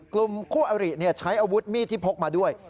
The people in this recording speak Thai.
กลุ่มคู่อริใช้อาวุธมีดที่พกมาด้วย